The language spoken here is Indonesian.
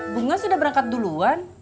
bunga sudah berangkat duluan